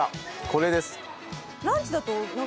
これです。